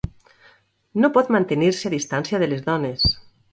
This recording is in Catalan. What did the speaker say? No pot mantenir-se a distància de les dones.